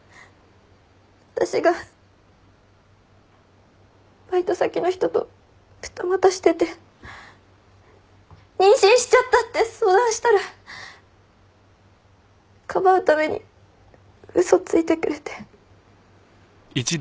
私がバイト先の人と二股してて妊娠しちゃったって相談したらかばうために嘘ついてくれて。